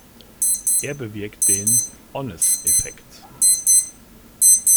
Er bewirkt den "Onnes-Effekt".